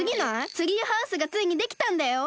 ツリーハウスがついにできたんだよ！